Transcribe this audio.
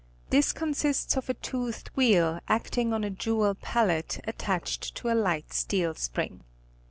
This consists of a toothed wheel acting on a jewel pallet attached to a light steel spring.